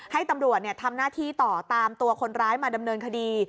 ให้ตำรวจทำหน้าที่ต่อตามตัวคนร้ายมาดำเนินคดี